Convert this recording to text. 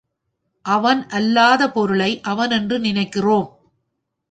அவன் அல்லாத பொருளை அவன் என்று நினைக்கிறோம்.